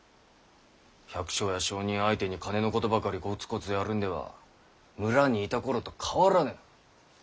百姓や商人相手に金のことばかりこつこつやるんでは村にいた頃と変わらぬ。